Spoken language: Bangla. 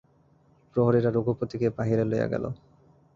প্রহরীরা রঘুপতিকে বাহিরে লইয়া গেল।